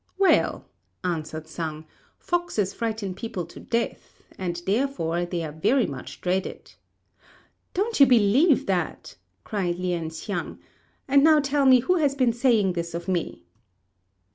"Well," answered Sang, "foxes frighten people to death, and, therefore, they are very much dreaded." "Don't you believe that!" cried Lien hsiang; "and now tell me who has been saying this of me."